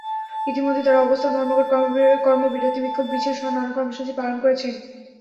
ইতিমধ্যেই তাঁরা অবস্থান ধর্মঘট, কর্মবিরতি, বিক্ষোভ মিছিলসহ নানা কর্মসূচি পালন করেছেন।